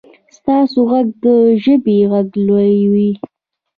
ستاسو غږ د ژبې غږ لویوي.